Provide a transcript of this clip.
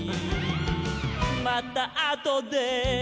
「またあとで」